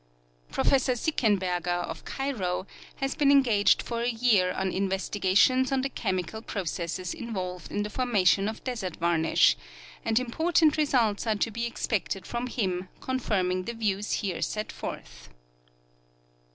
Professor Sickenberger of Cairo has been engaged for a year on investigations on the chemical processes iuA^olved in the forma tion of desert A^arnish, and important results are to be expected from him, confirming the vieAvs here set forth.